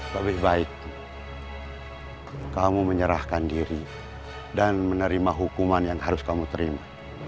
lebih baik kamu menyerahkan diri dan menerima hukuman yang harus kamu terima